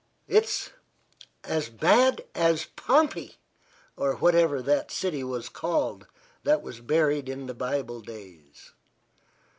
"It's as bad as Pompey, or whatever that city was called that was buried in the Bible days."